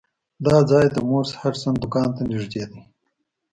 دا ځای د مورس هډسن دکان ته نږدې دی.